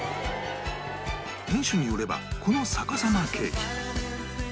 店主によればこの逆さまケーキ